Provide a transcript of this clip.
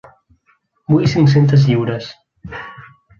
Vull cinc-centes lliures.